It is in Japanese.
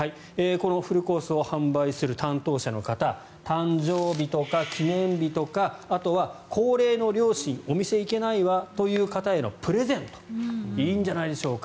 このフルコースを販売する担当者の方誕生日とか記念日とかあとは高齢の両親お店に行けないわという方へのプレゼントいいんじゃないでしょうか。